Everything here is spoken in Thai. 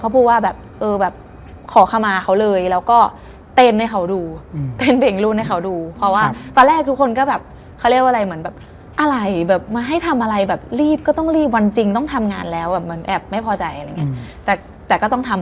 คือมันเป็นแบบตลอดเวลา